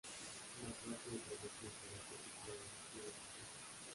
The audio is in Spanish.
La frase de promoción para este ciclo es ""Nuevo ciclo.